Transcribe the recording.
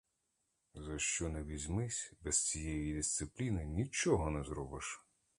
За що не візьмись, без цієї дисципліни нічого не зробиш!